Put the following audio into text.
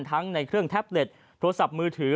ทั้งในเครื่องแท็บเล็ตโทรศัพท์มือถือ